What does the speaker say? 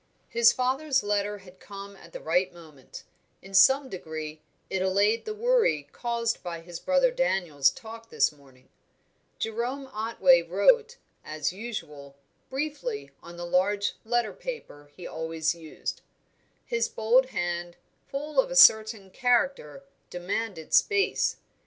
His father's letter had come at the right moment; in some degree it allayed the worry caused by his brother Daniel's talk this morning. Jerome Otway wrote, as usual, briefly, on the large letter paper he always used; his bold hand, full of a certain character, demanded space.